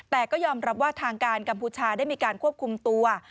แต่ก็ยอมรับว่าทางการกัมพูชาได้มีการควบคุมตัว